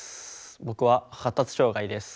僕は発達障害です。